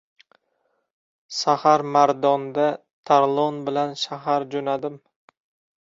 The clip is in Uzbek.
Sahar-mardonda Tarlon bilan shahar jo‘nadim.